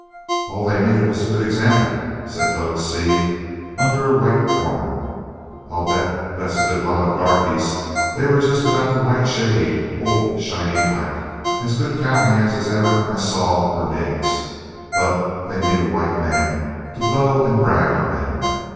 "All they needed was a good example," said Dorg Seay. "Under a white foreman, I'll bet that's a good lot of darkies. They were just about the right shade old shiny black. As good cowhands as ever I saw were nigs, but they need a white man to blow and brag on them.